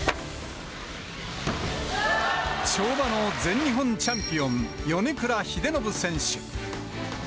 跳馬の全日本チャンピオン、米倉英信選手。